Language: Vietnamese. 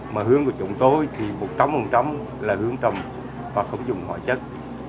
mà hương của chúng tôi thì một trăm linh là hương trầm và không dùng hỏa chất